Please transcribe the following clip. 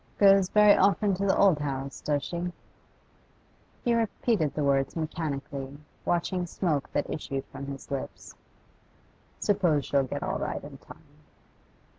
'Goes very often to the old house, does she?' He repeated the words mechanically, watching smoke that issued from his lips. 'Suppose she'll get all right in time.